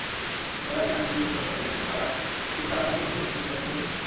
যাঁরা একে নারীর বিরুদ্ধে সহিংসতা বলছেন, তাঁরা কিনতানার সাফল্যকে নেতিবাচকভাবে দেখছেন।